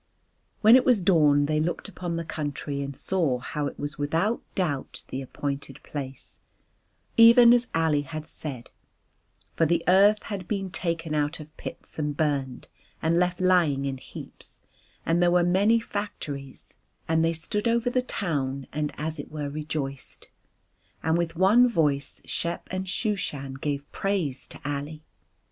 When it was dawn they looked upon the country and saw how it was without doubt the appointed place, even as Ali had said, for the earth had been taken out of pits and burned and left lying in heaps, and there were many factories, and they stood over the town and as it were rejoiced. And with one voice Shep and Shooshan gave praise to Ali.